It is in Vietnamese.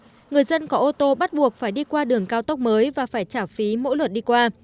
vì vậy người dân có ô tô bắt buộc phải đi qua đường cao tốc mới và phải trả phí mỗi lượt đi qua